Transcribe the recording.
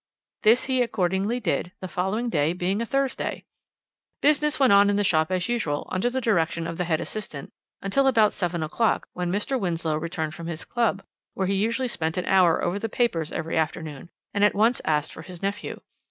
This he accordingly did, the following day being a Thursday. "Business went on in the shop as usual under the direction of the head assistant, until about seven o'clock, when Mr. Winslow returned from his club, where he usually spent an hour over the papers every afternoon, and at once asked for his nephew.